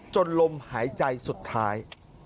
ลมหายใจสุดท้าย